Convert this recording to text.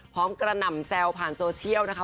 กระหน่ำแซวผ่านโซเชียลนะคะ